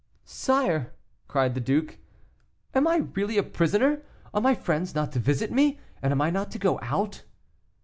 "Sire," cried the duke, "am I really a prisoner, are my friends not to visit me, and am I not to go out?"